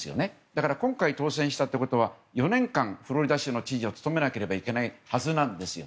だから今回当選したということは４年間フロリダ州の知事を務めなければいけないはずです。